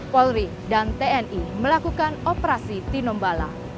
polri dan tni melakukan operasi tinombala